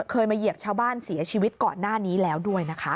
เคยมาเหยียบชาวบ้านเสียชีวิตก่อนหน้านี้แล้วด้วยนะคะ